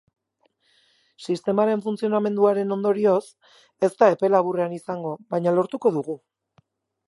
Sistemaren funtzionamenduaren ondorioz, ez da epe laburrean izango, baina lortuko dugu.